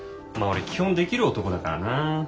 まあ俺基本できる男だからな。